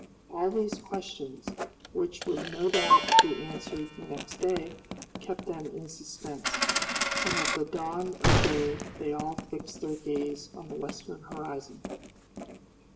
All these questions, which would no doubt be answered the next day, kept them in suspense, and at the dawn of day they all fixed their gaze on the western horizon.